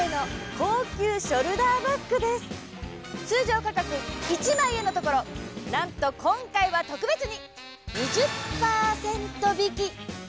通常価格１００００円のところなんと今回はとくべつに。